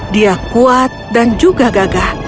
dia kuat dan juga gagah